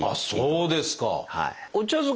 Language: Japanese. そうですね。